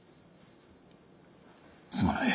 すまない。